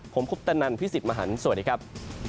ผมคุปตะนันพี่สิทธิ์มหันฯสวัสดีครับ